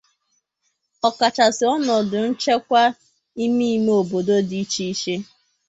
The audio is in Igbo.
ọkachasị ọnọdụ nchekwa ime-ime obodo dị iche iche.